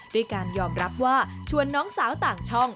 ด้วยการยอมรับว่าชวนน้องสาวต่างช่อง